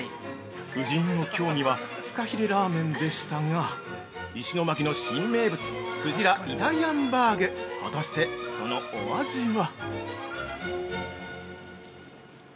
◆夫人の興味はふかひれラーメンでしたが石巻の新名物「くじらイタリアンバーグ」果たして、そのお味は？